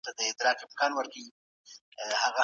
ایا تکړه پلورونکي وچ توت پروسس کوي؟